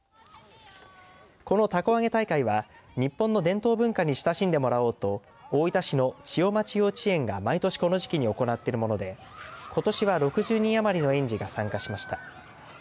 このたこ揚げ大会は日本の伝統文化に親しんでもらおうと大分市の千代町幼稚園が毎年この時期に行っているものでことしは６０人余りの園児が参加しました。